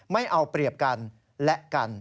ไม่เอาเปรียบกันและกัน